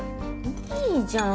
いいじゃん